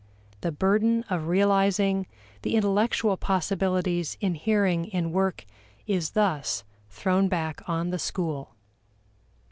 The burden of realizing the intellectual possibilities inhering in work is thus thrown back on the school.